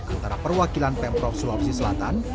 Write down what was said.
antara perwakilan pemprov sulawesi selatan